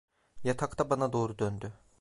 Yatakta bana doğru döndü.